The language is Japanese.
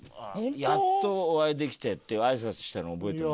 「やっとお会いできて」ってあいさつしたの覚えてます。